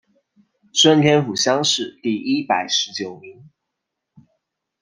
顺天府乡试第一百十九名。